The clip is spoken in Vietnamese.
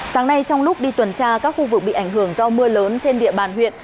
sáng nay trong lúc đi tuần tra các khu vực bị ảnh hưởng do mưa lớn trên địa bàn huyện